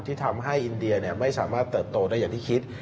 ที่ทำให้อินเดียไม่สามารถเติบโตได้อย่างที่คิด